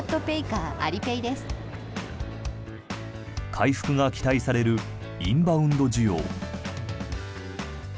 回復が期待されるインバウンド需要。